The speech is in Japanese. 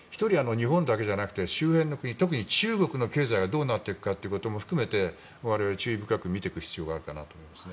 日本だけじゃなくて周辺の国、特に中国の経済がどうなっていくかということも含めて我々、注意深く見ていく必要があると思います。